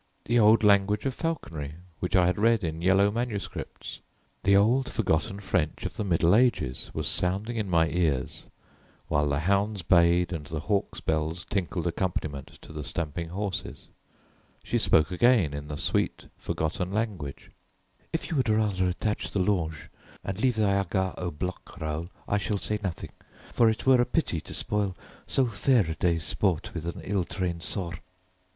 The old language of falconry which I had read in yellow manuscripts the old forgotten French of the middle ages was sounding in my ears while the hounds bayed and the hawks' bells tinkled accompaniment to the stamping horses. She spoke again in the sweet forgotten language: "If you would rather attach the longe and leave thy hagard au bloc, Raoul, I shall say nothing; for it were a pity to spoil so fair a day's sport with an ill trained sors.